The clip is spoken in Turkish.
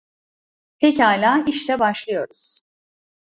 Pekâlâ, işte başlıyoruz.